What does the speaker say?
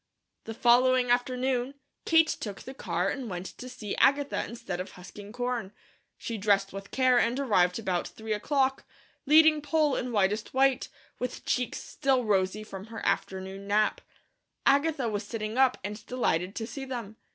The following afternoon, Kate took the car and went to see Agatha instead of husking corn. She dressed with care and arrived about three o'clock, leading Poll in whitest white, with cheeks still rosy from her afternoon nap. Agatha was sitting up and delighted to see them.